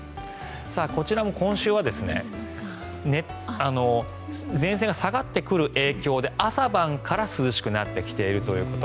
こちらも今週は前線が下がってくる影響で朝晩から涼しくなってきているということ。